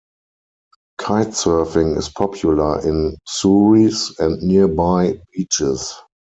Kitesurfing is popular in Souris and nearby beaches.